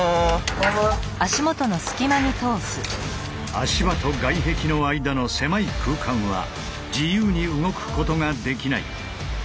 足場と外壁の間の狭い空間は自由に動くことができない。